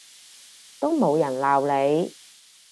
都冇人鬧你